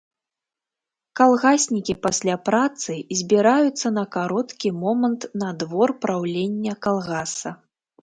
Калгаснікі пасля працы збіраюцца на кароткі момант на двор праўлення калгаса.